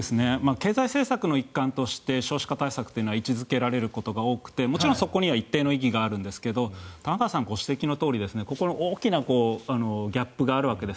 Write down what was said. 経済政策の一環として少子化対策というのは位置付けられることがあってもちろん、そこには一定の意義があるんですが玉川さん、ご指摘のとおりここに大きなギャップがあるわけです。